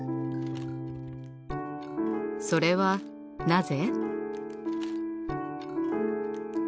それはなぜ？